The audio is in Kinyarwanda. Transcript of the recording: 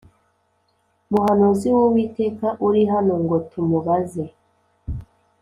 muhanuzi w Uwiteka uri hano ngo tumubaze